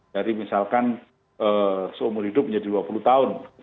jadi misalkan seumur hidup menjadi dua puluh tahun